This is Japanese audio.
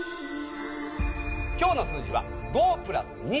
今日の数字は「５＋２」です。